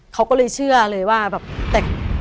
เขาก็เลยเชื่อเลยว่าแบบแต่ง